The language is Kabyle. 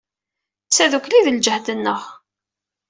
D tadukli ay d ljehd-nneɣ!